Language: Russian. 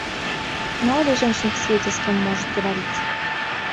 Мало ли женщина в свете с кем может говорить?